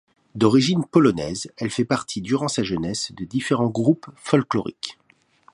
D'origine polonaise, elle fait partie durant sa jeunesse de différents groupes folkloriques.